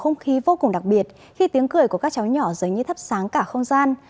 không khí vô cùng đặc biệt khi tiếng cười của các cháu nhỏ dưới như thắp sáng cả không gian